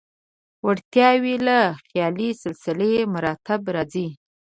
وړتیاوې له خیالي سلسله مراتبو راځي.